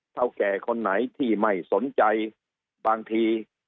เท่าแก่คนไหนที่ไม่สนใจบางที